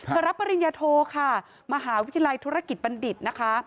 รับปริญญาโทค่ะมหาวิทยาลัยธุรกิจบัณฑิตนะคะ